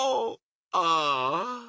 ああ。